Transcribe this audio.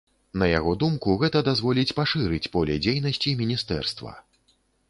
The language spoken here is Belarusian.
На яго думку, гэта дазволіць пашырыць поле дзейнасці міністэрства.